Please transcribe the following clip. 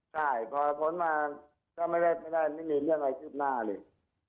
ใช่พอผมมาก็ไม่มีเรื่องอะไรคืบหน้าเลย